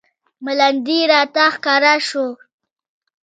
ملنډې راته ښکاره شوې.